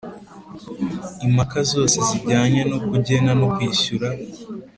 Impaka zose zijyanye no kugena no kwishyura